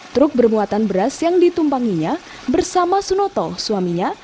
truk bermuatan beras yang ditumpanginya bersama sunoto suaminya